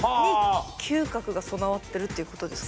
嗅覚が備わってるっていうことですか？